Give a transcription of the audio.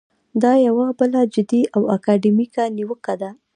دا یوه بله جدي او اکاډمیکه نیوکه ده.